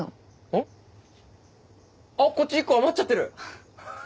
あっこっち１個余っちゃってる！